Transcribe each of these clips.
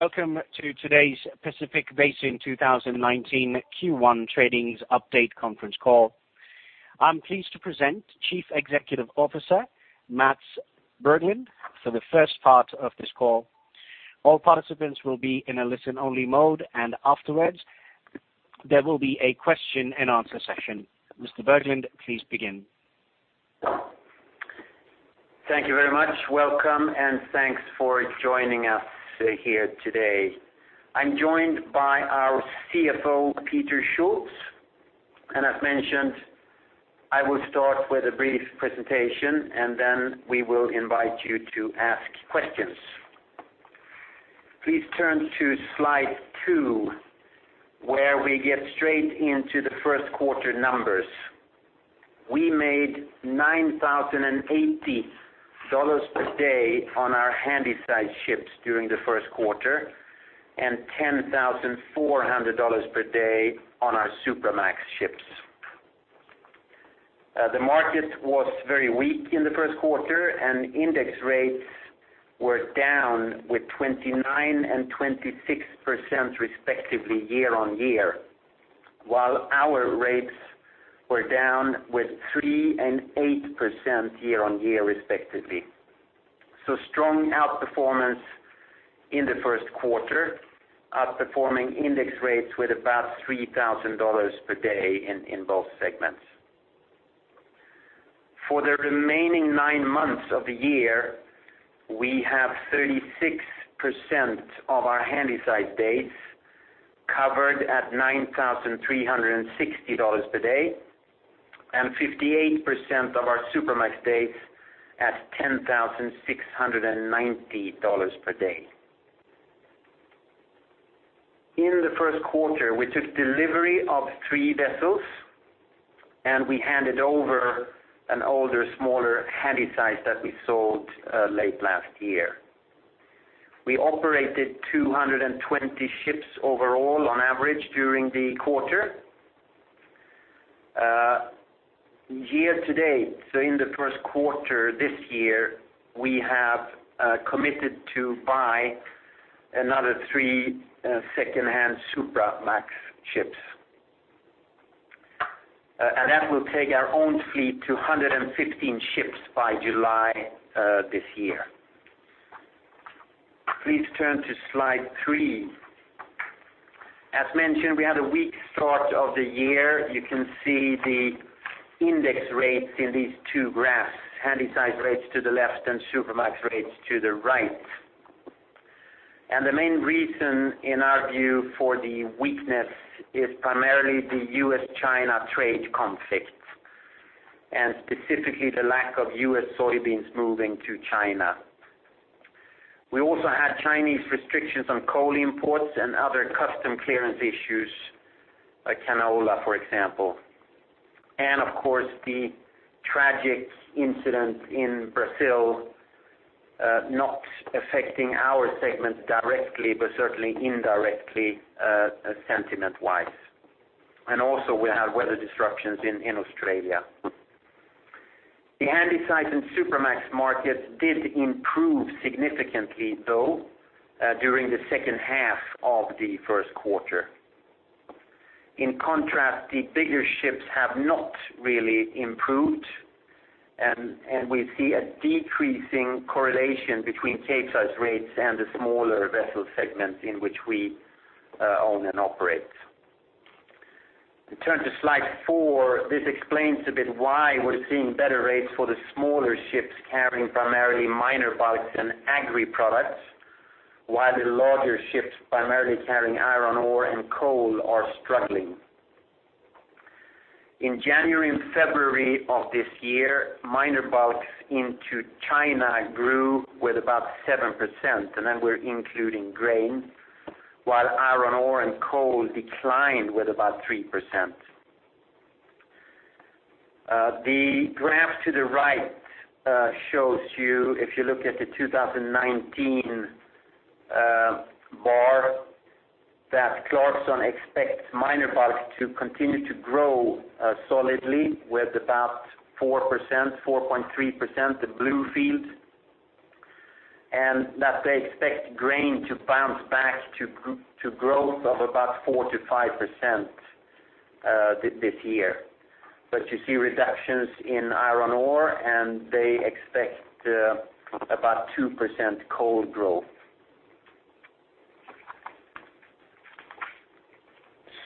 Welcome to today's Pacific Basin 2019 Q1 Trading Update conference call. I am pleased to present Chief Executive Officer, Mats Berglund, for the first part of this call. All participants will be in a listen-only mode, and afterwards, there will be a question-and-answer session. Mr. Berglund, please begin. Thank you very much. Welcome. Thanks for joining us here today. I am joined by our CFO, Peter Schulz. As mentioned, I will start with a brief presentation. Then we will invite you to ask questions. Please turn to Slide 2, where we get straight into the first quarter numbers. We made $9,080 per day on our Handysize ships during the first quarter, and $10,400 per day on our Supramax ships. The market was very weak in the first quarter, and index rates were down with 29% and 26% respectively year-on-year, while our rates were down with 3% and 8% year-on-year respectively. Strong outperformance in the first quarter, outperforming index rates with about $3,000 per day in both segments. For the remaining nine months of the year, we have 36% of our Handysize days covered at $9,360 per day and 58% of our Supramax days at $10,690 per day. In the first quarter, we took delivery of three vessels, and we handed over an older, smaller Handysize that we sold late last year. We operated 220 ships overall on average during the quarter. Year-to-date, so in the first quarter this year, we have committed to buy another three secondhand Supramax ships. That will take our own fleet to 115 ships by July this year. Please turn to Slide three. As mentioned, we had a weak start of the year. You can see the index rates in these two graphs, Handysize rates to the left and Supramax rates to the right. The main reason, in our view, for the weakness is primarily the U.S.-China trade conflict, and specifically, the lack of U.S. soybeans moving to China. We also had Chinese restrictions on coal imports and other custom clearance issues, like canola, for example. Of course, the tragic incident in Brazil, not affecting our segment directly, but certainly indirectly, sentiment-wise. Also we have weather disruptions in Australia. The Handysize and Supramax markets did improve significantly, though, during the second half of the first quarter. In contrast, the bigger ships have not really improved, and we see a decreasing correlation between Capesize rates and the smaller vessel segments in which we own and operate. We turn to Slide four. This explains a bit why we're seeing better rates for the smaller ships carrying primarily minor bulks and agri products, while the larger ships, primarily carrying iron ore and coal, are struggling. In January and February of this year, minor bulks into China grew with about 7%, then we're including grain, while iron ore and coal declined with about 3%. The graph to the right shows you, if you look at the 2019 bar, that Clarkson expects minor bulks to continue to grow solidly with about 4%, 4.3%, the blue field, and that they expect grain to bounce back to growth of about 4% to 5% this year. You see reductions in iron ore, and they expect about 2% coal growth.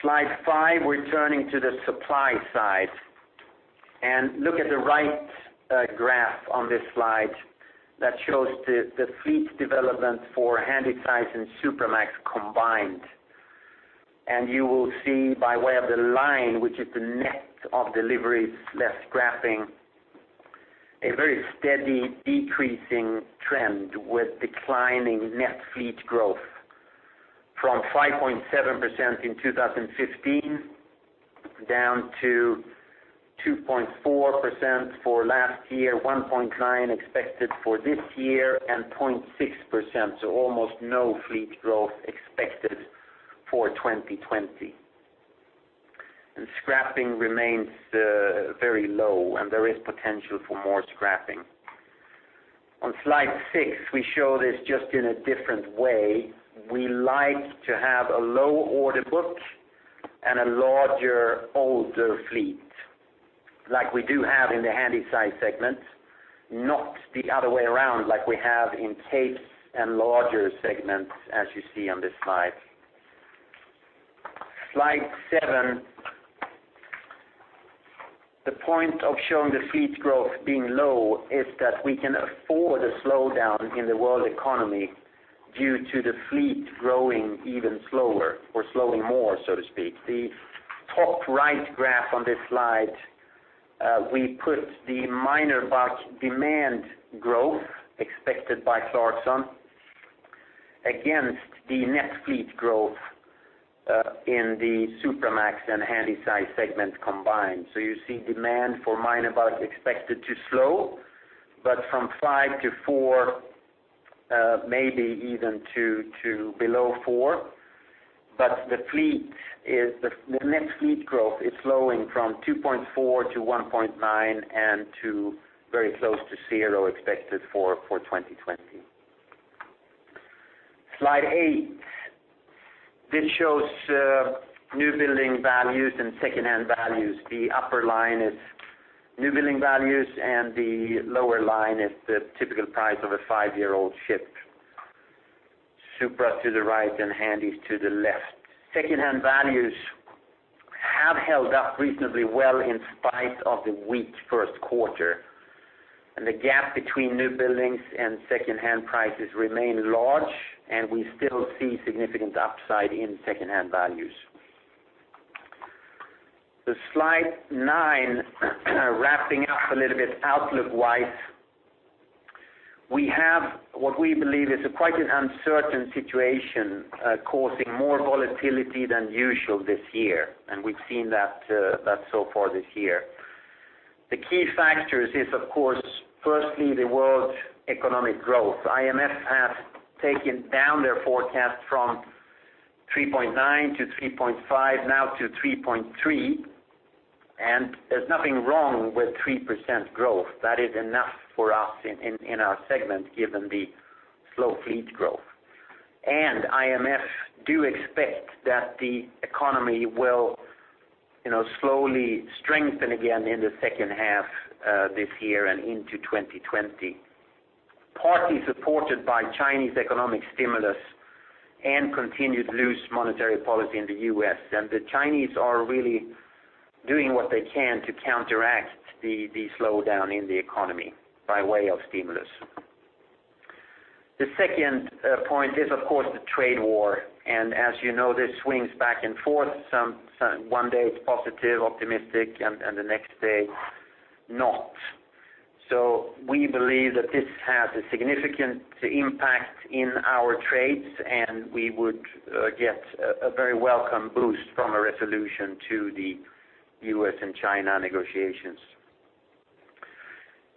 Slide five, we're turning to the supply side. Look at the right graph on this slide that shows the fleet development for Handysize and Supramax combined. You will see by way of the line, which is the net of deliveries less scrapping, a very steady decreasing trend with declining net fleet growth from 5.7% in 2015 down to 2.4% for last year, 1.9% expected for this year, and 0.6%, so almost no fleet growth expected for 2020. Scrapping remains very low, and there is potential for more scrapping. On Slide six, we show this just in a different way. We like to have a low order book and a larger older fleet, like we do have in the Handysize segment, not the other way around like we have in Capes and larger segments, as you see on this slide. Slide seven. The point of showing the fleet growth being low is that we can afford a slowdown in the world economy due to the fleet growing even slower or slowing more, so to speak. The top right graph on this slide, we put the minor bulk demand growth expected by Clarkson against the net fleet growth in the Supramax and Handysize segments combined. You see demand for minor bulk expected to slow, but from 5 to 4, maybe even to below 4. The net fleet growth is slowing from 2.4% to 1.9% and to very close to 0 expected for 2020. Slide eight. This shows new building values and secondhand values. The upper line is new building values, and the lower line is the typical price of a five-year-old ship. Supra to the right and Handys to the left. Secondhand values have held up reasonably well in spite of the weak first quarter. The gap between new buildings and secondhand prices remain large, and we still see significant upside in secondhand values. Slide nine, wrapping up a little bit outlook-wise. We have what we believe is quite an uncertain situation, causing more volatility than usual this year, and we've seen that so far this year. The key factors is, of course, firstly, the world's economic growth. IMF has taken down their forecast from 3.9% to 3.5%, now to 3.3%. There's nothing wrong with 3% growth. That is enough for us in our segment, given the slow fleet growth. IMF do expect that the economy will slowly strengthen again in the second half this year and into 2020, partly supported by Chinese economic stimulus and continued loose monetary policy in the U.S. The Chinese are really doing what they can to counteract the slowdown in the economy by way of stimulus. The second point is, of course, the trade war, as you know, this swings back and forth. One day it's positive, optimistic, and the next day not. We believe that this has a significant impact in our trades, and we would get a very welcome boost from a resolution to the U.S. and China negotiations.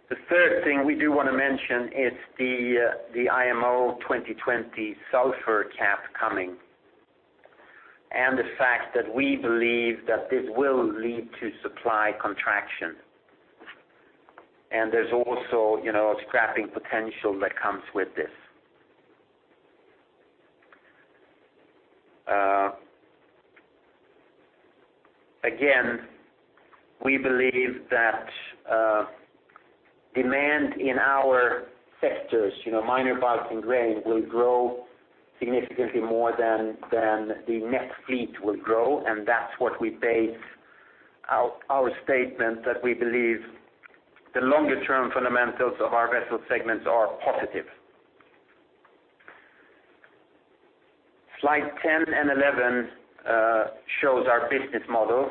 The third thing we do want to mention is the IMO 2020 sulfur cap coming, and the fact that we believe that this will lead to supply contraction. There's also scrapping potential that comes with this. Again, we believe that demand in our sectors, minor bulks and grain, will grow significantly more than the net fleet will grow, and that's what we base our statement that we believe the longer term fundamentals of our vessel segments are positive. Slide 10 and 11 shows our business model,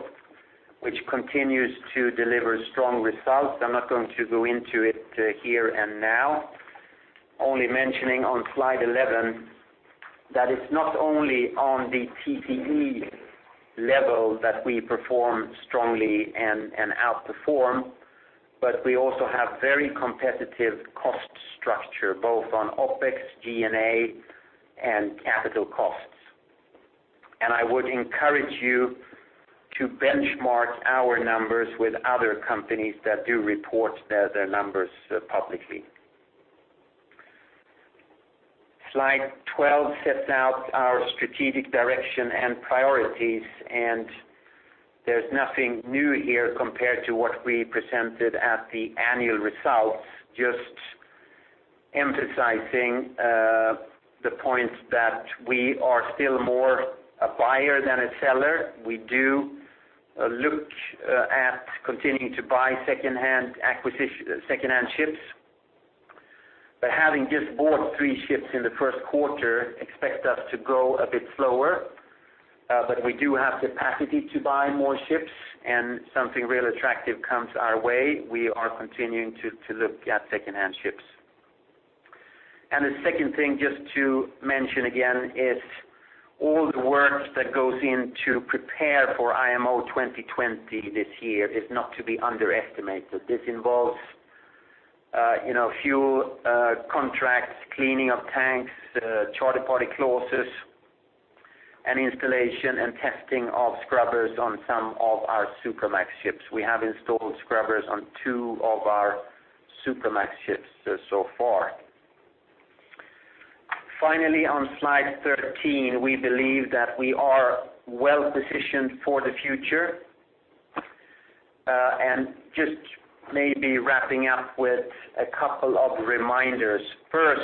which continues to deliver strong results. I'm not going to go into it here and now. Only mentioning on slide 11 that it's not only on the TCE level that we perform strongly and outperform, but we also have very competitive cost structure, both on OpEx, G&A, and capital costs. I would encourage you to benchmark our numbers with other companies that do report their numbers publicly. Slide 12 sets out our strategic direction and priorities, there's nothing new here compared to what we presented at the annual results, just emphasizing the point that we are still more a buyer than a seller. We do look at continuing to buy secondhand ships. Having just bought three ships in the first quarter, expect us to go a bit slower. We do have capacity to buy more ships, and something really attractive comes our way. We are continuing to look at secondhand ships. The second thing just to mention again is all the work that goes into prepare for IMO 2020 this year is not to be underestimated. This involves a few contracts, cleaning of tanks, charter party clauses, and installation and testing of scrubbers on some of our Supramax ships. We have installed scrubbers on two of our Supramax ships so far. Finally, on slide 13, we believe that we are well-positioned for the future. Just maybe wrapping up with a couple of reminders. First,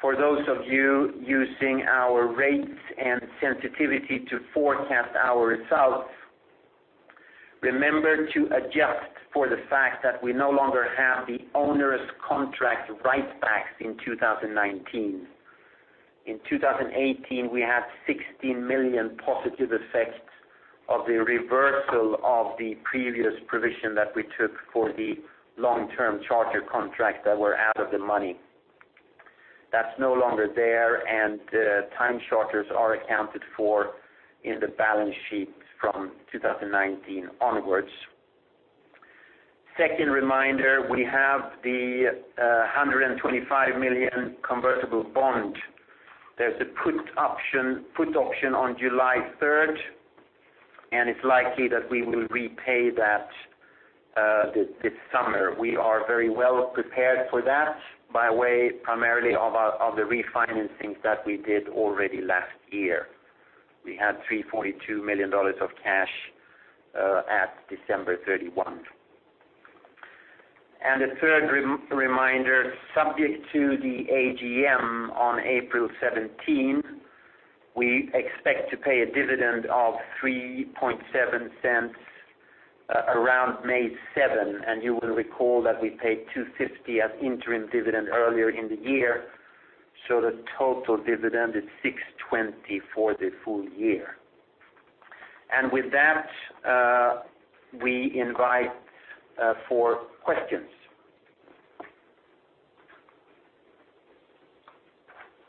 for those of you using our rates and sensitivity to forecast our results, remember to adjust for the fact that we no longer have the onerous contract write backs in 2019. In 2018, we had $16 million positive effects of the reversal of the previous provision that we took for the long-term charter contracts that were out of the money. That's no longer there, the time charters are accounted for in the balance sheet from 2019 onwards. Second reminder, we have the $125 million convertible bond. There's a put option on July 3rd, it's likely that we will repay that this summer. We are very well prepared for that by way, primarily of the refinancing that we did already last year. We had $342 million of cash at December 31. A third reminder, subject to the AGM on April 17, we expect to pay a dividend of $3.7 Around May 7, you will recall that we paid $2.50 as interim dividend earlier in the year, so the total dividend is $6.20 for the full year. With that, we invite for questions.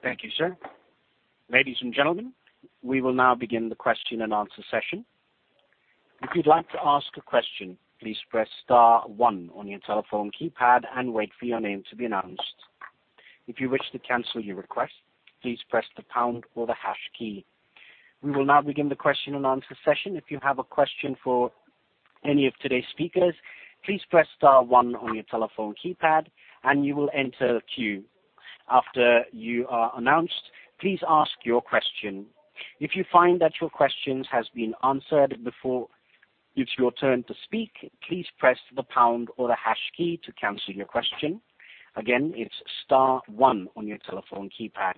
Thank you, sir. Ladies and gentlemen, we will now begin the question and answer session. If you'd like to ask a question, please press star one on your telephone keypad and wait for your name to be announced. If you wish to cancel your request, please press the pound or the hash key. We will now begin the question and answer session. If you have a question for any of today's speakers, please press star one on your telephone keypad and you will enter a queue. After you are announced, please ask your question. If you find that your question has been answered before it's your turn to speak, please press the pound or the hash key to cancel your question. Again, it's star one on your telephone keypad.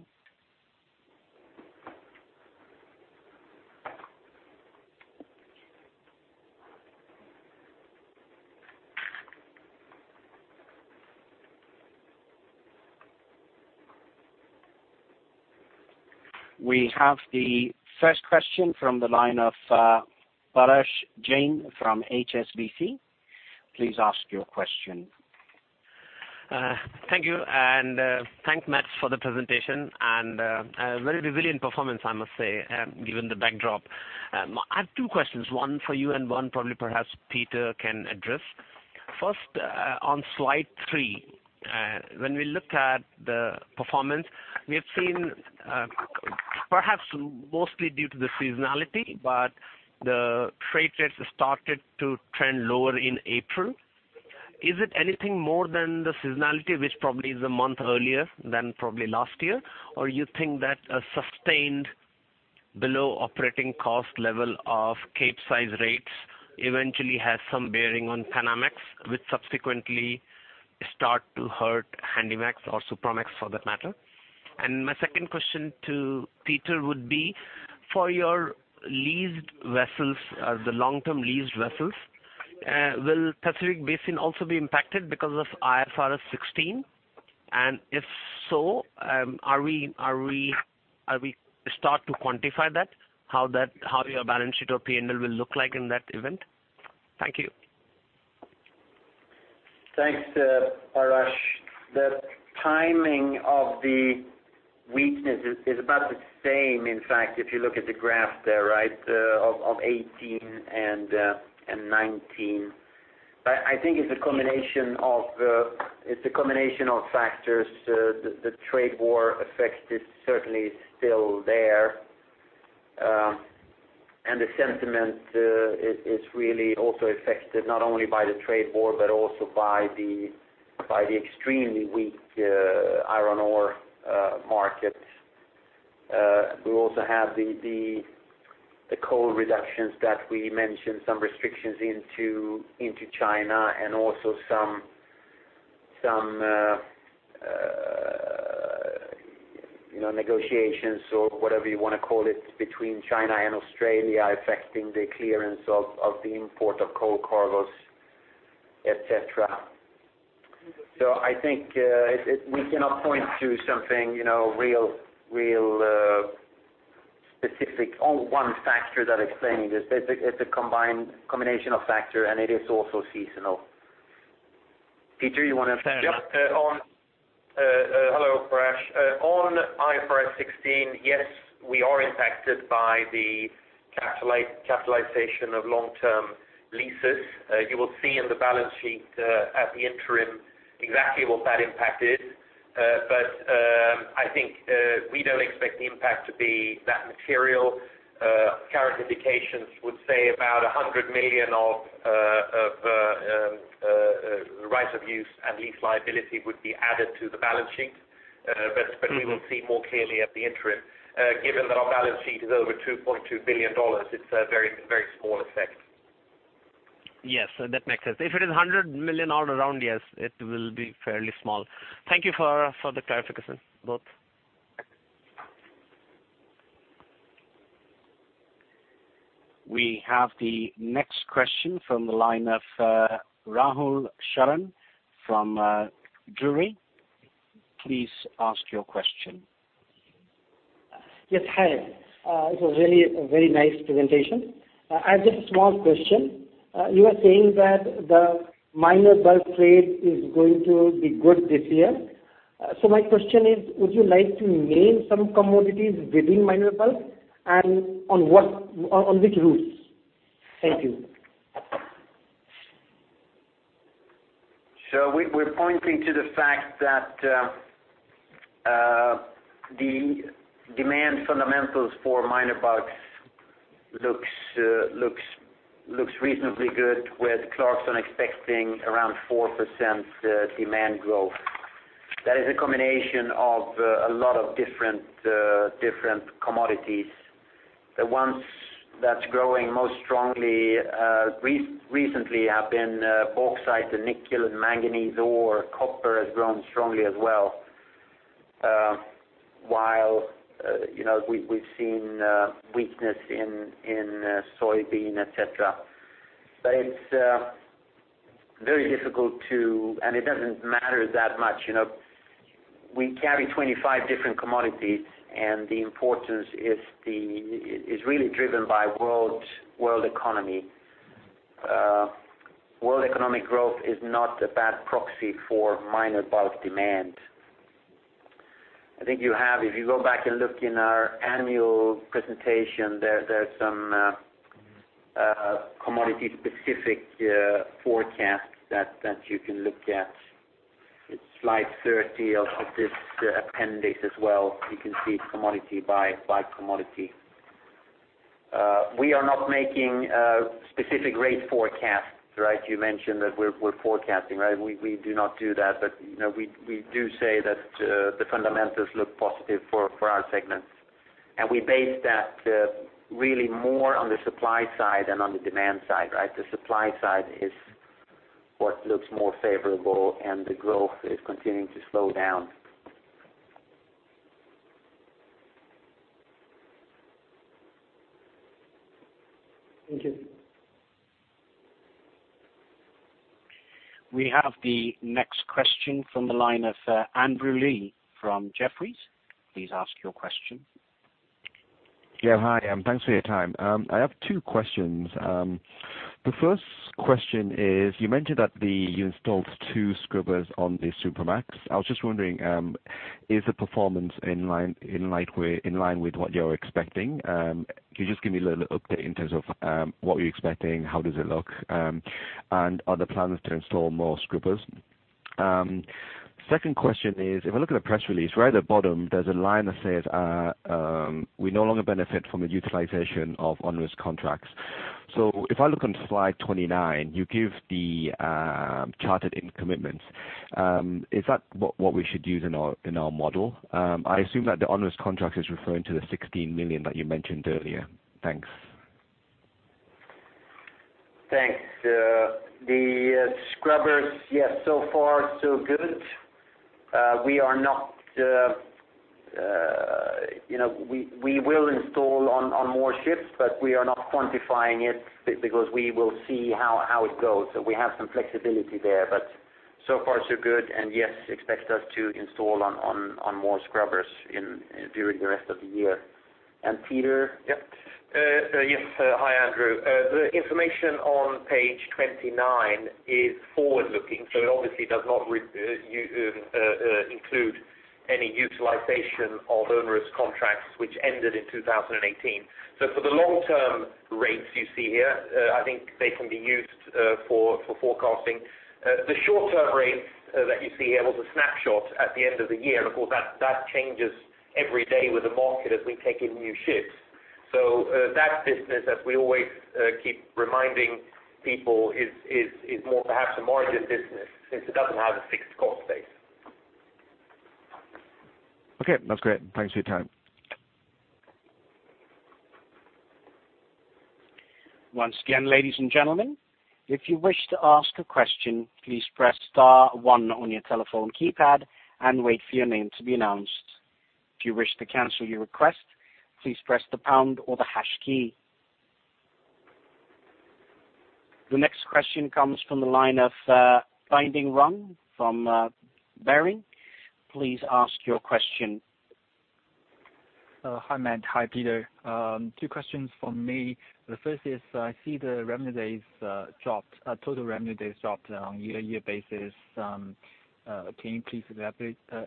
We have the first question from the line of Parash Jain from HSBC. Please ask your question. Thank you. Thanks, Mats, for the presentation, and a very resilient performance, I must say, given the backdrop. I have two questions, one for you and one probably perhaps Peter can address. First, on slide three, when we look at the performance, we have seen, perhaps mostly due to the seasonality, but the trade rates started to trend lower in April. Is it anything more than the seasonality, which probably is a month earlier than probably last year? Or you think that a sustained below operating cost level of Capesize rates eventually has some bearing on Panamax, which subsequently start to hurt Handymax or Supramax for that matter? My second question to Peter would be, for your long-term leased vessels, will Pacific Basin also be impacted because of IFRS 16? If so, are we start to quantify that, how your balance sheet or P&L will look like in that event? Thank you. Thanks, Parash. The timing of the weakness is about the same, in fact, if you look at the graph there, of 2018 and 2019. I think it's a combination of factors. The trade war effect is certainly still there, and the sentiment is really also affected not only by the trade war, but also by the extremely weak iron ore market. We also have the coal reductions that we mentioned, some restrictions into China and also some negotiations or whatever you want to call it, between China and Australia affecting the clearance of the import of coal cargos, et cetera. I think we cannot point to something real specific, or one factor that explaining this. It's a combination of factor, and it is also seasonal. Peter, you want to- Yes, we are impacted by the capitalization of long-term leases. You will see in the balance sheet, at the interim exactly what that impact is. I think, we don't expect the impact to be that material. Current indications would say about $100 million of rights of use and lease liability would be added to the balance sheet. We will see more clearly at the interim. Given that our balance sheet is over $2.2 billion, it's a very small effect. Yes. That makes sense. If it is $100 million all around, yes, it will be fairly small. Thank you for the clarification, both. We have the next question from the line of Rahul Sharan from Drewry. Please ask your question. Yes, hi. It was a very nice presentation. I have just a small question. You were saying that the minor bulk trade is going to be good this year. My question is, would you like to name some commodities within minor bulk and on which routes? Thank you. We're pointing to the fact that the demand fundamentals for minor bulks looks reasonably good with Clarkson expecting around 4% demand growth. That is a combination of a lot of different commodities. The ones that's growing most strongly, recently, have been bauxite, nickel and manganese ore. Copper has grown strongly as well. While we've seen weakness in soybean, et cetera. It's very difficult. It doesn't matter that much. We carry 25 different commodities and the importance is really driven by world economy. World economic growth is not a bad proxy for minor bulk demand. I think you have, if you go back and look in our annual presentation, there's some commodity specific forecasts that you can look at. It's slide 30 of this appendix as well. You can see commodity by commodity. We are not making specific rate forecasts. You mentioned that we're forecasting, right? We do not do that. We do say that the fundamentals look positive for our segments. We base that really more on the supply side than on the demand side. The supply side is what looks more favorable and the growth is continuing to slow down. Thank you. We have the next question from the line of Andrew Lee from Jefferies. Please ask your question. Yeah. Hi, and thanks for your time. I have two questions. The first question is, you mentioned that you installed two scrubbers on the Supramax. I was just wondering, is the performance in line with what you're expecting? Can you just give me a little update in terms of what you're expecting, how does it look, and are there plans to install more scrubbers? Second question is, if I look at the press release, right at the bottom, there's a line that says, "We no longer benefit from the utilization of onerous contracts." If I look on slide 29, you give the chartered-in commitments. Is that what we should use in our model? I assume that the onerous contract is referring to the $16 million that you mentioned earlier. Thanks. Thanks. The scrubbers, yes, so far so good. We will install on more ships, but we are not quantifying it because we will see how it goes. We have some flexibility there, but so far so good. Yes, expect us to install on more scrubbers during the rest of the year. Peter? Yep. Yes. Hi, Andrew. The information on page 29 is forward-looking, it obviously does not include any utilization of onerous contracts, which ended in 2018. For the long-term rates you see here, I think they can be used for forecasting. The short-term rates that you see here was a snapshot at the end of the year, of course, that changes every day with the market as we take in new ships. That business, as we always keep reminding people, is more perhaps a margin business since it doesn't have a fixed cost base. Okay, that's great. Thanks for your time. Once again, ladies and gentlemen, if you wish to ask a question, please press star one on your telephone keypad and wait for your name to be announced. If you wish to cancel your request, please press the pound or the hash key. The next question comes from the line of, Bining Feng from Bering. Please ask your question. Hi, Mats. Hi, Peter. Two questions from me. The first is, I see the total revenue days dropped on a year-on-year basis. Can you please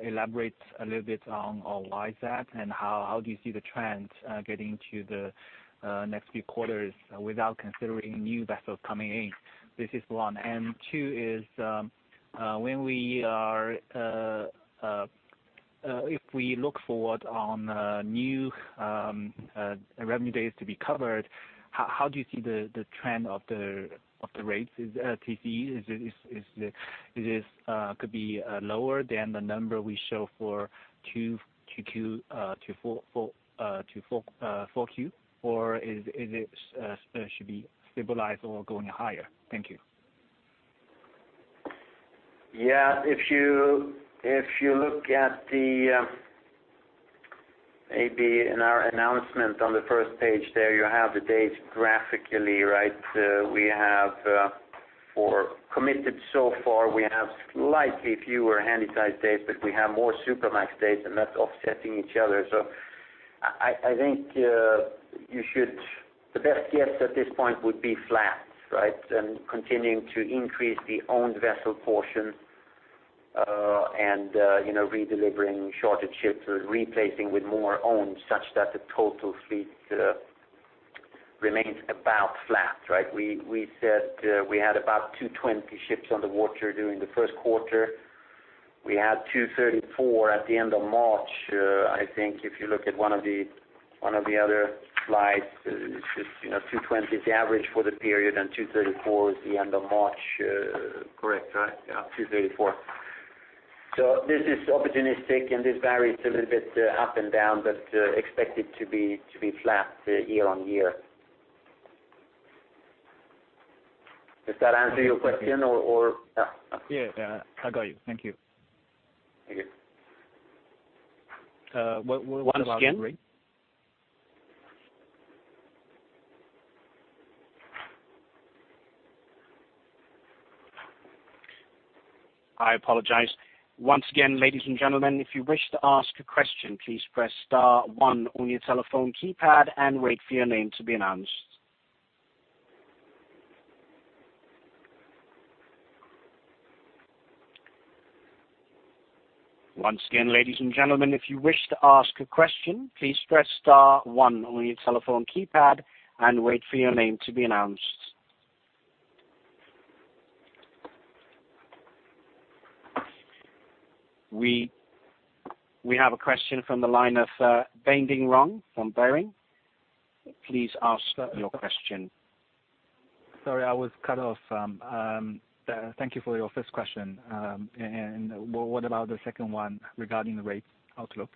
elaborate a little bit on why is that, and how do you see the trend getting to the next few quarters without considering new vessels coming in? This is one. Two is, if we look forward on new revenue days to be covered, how do you see the trend of the rates, TC? Is this could be lower than the number we show for 2Q to 4Q? Or is it should be stabilized or going higher? Thank you. Yeah. If you look at the, maybe in our announcement on the first page there, you have the days graphically. For committed so far, we have slightly fewer Handysize days, but we have more Supramax days, and that's offsetting each other. I think the best guess at this point would be flat and continuing to increase the owned vessel portion, and redelivering shorter ships or replacing with more owned such that the total fleet remains about flat. We said we had about 220 ships on the water during the first quarter. We had 234 at the end of March. I think if you look at one of the other slides, 220 is the average for the period and 234 is the end of March. Correct. Yeah, 234. This is opportunistic, and this varies a little bit up and down, but expect it to be flat year-on-year. Does that answer your question? Yeah. I got you. Thank you. Thank you. Once again. What about the rate? I apologize. Once again, ladies and gentlemen, if you wish to ask a question, please press star 1 on your telephone keypad and wait for your name to be announced. Once again, ladies and gentlemen, if you wish to ask a question, please press star 1 on your telephone keypad and wait for your name to be announced. We have a question from the line of Bining Feng from Bering. Please ask your question. Sorry, I was cut off. Thank you for your first question. What about the second one regarding the rate outlook?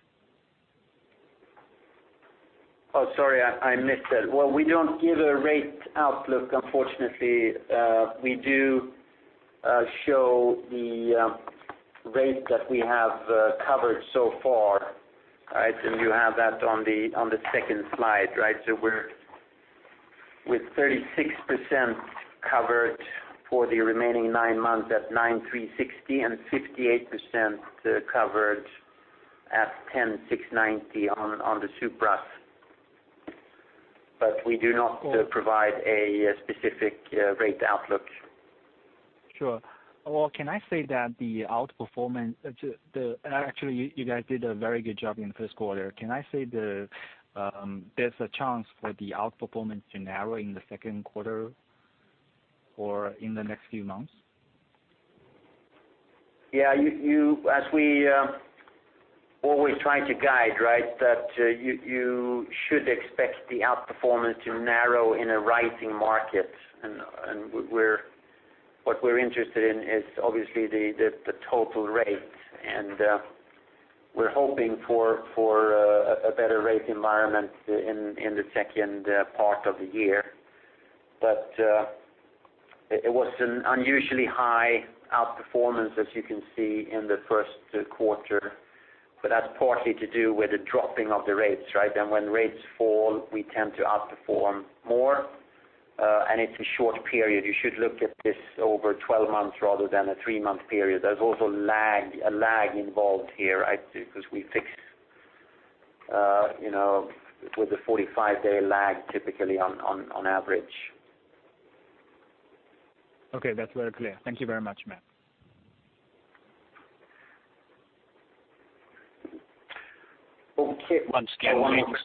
Oh, sorry, I missed that. Well, we don't give a rate outlook, unfortunately. We do show the rate that we have covered so far. You have that on the second slide. We're with 36% covered for the remaining nine months at 9,360 and 58% covered at 10,690 on the Supras. We do not provide a specific rate outlook. Sure. Well, can I say that the outperformance actually, you guys did a very good job in the first quarter. Can I say there's a chance for the outperformance to narrow in the second quarter or in the next few months? Yeah. As we always try to guide, that you should expect the outperformance to narrow in a rising market. What we're interested in is obviously the total rate, and we're hoping for a better rate environment in the second part of the year. It was an unusually high outperformance, as you can see in the first quarter, but that's partly to do with the dropping of the rates. When rates fall, we tend to outperform more, and it's a short period. You should look at this over 12 months rather than a three-month period. There's also a lag involved here, because we fix with a 45-day lag typically on average. Okay, that's very clear. Thank you very much, Mats. Okay. Once again, please.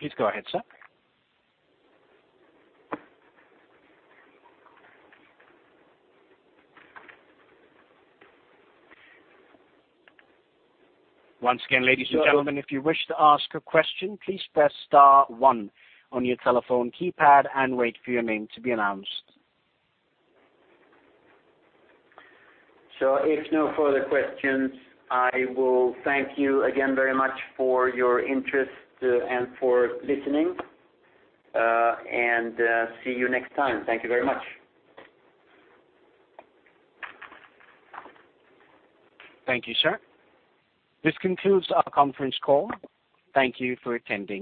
Please go ahead, sir. Once again, ladies and gentlemen, if you wish to ask a question, please press *1 on your telephone keypad and wait for your name to be announced. If no further questions, I will thank you again very much for your interest and for listening. See you next time. Thank you very much. Thank you, sir. This concludes our conference call. Thank you for attending.